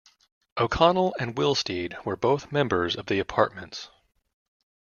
O'Connell and Willsteed were both members of the Apartments.